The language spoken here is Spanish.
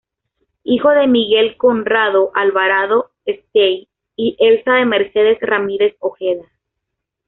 Hijo de Miguel Conrado Alvarado Estay y Elsa de Mercedes Ramírez Ojeda.